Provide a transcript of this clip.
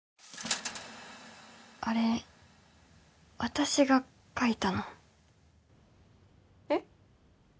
あれ私が書いたのえっ？